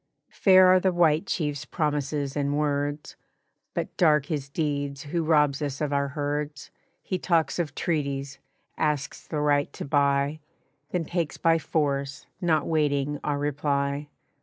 "Fair are the White Chief's promises and words, But dark his deeds who robs us of our herds. He talks of treaties, asks the right to buy, Then takes by force, not waiting our reply.